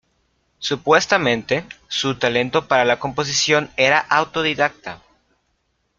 Supuestamente, su talento para la composición era autodidacta.